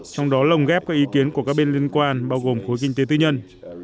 trong đó lồng ghép các ý kiến của các bên liên quan bao gồm khối kinh tế tư nhân